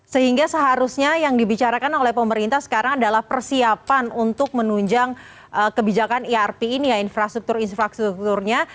sehingga seharusnya yang dibicarakan oleh pemerintah sekarang adalah persiapan untuk menunjang kebijakan irp ini ya infrastruktur infrastrukturnya